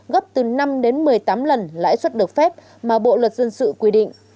gấp từ năm đến một mươi tám lần lãi suất được phép mà bộ luật dân sự quy định